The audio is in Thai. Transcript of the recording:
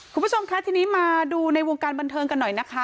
คุณผู้ชมคะทีนี้มาดูในวงการบันเทิงกันหน่อยนะคะ